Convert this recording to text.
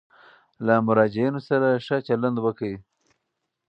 له مراجعینو سره ښه چلند وکړئ.